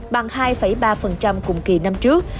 bằng hai ba cùng kỳ năm trước